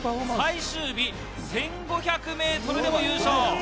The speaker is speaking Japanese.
最終日、１５００ｍでも優勝。